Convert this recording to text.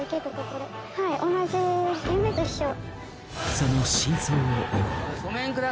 その真相を追う。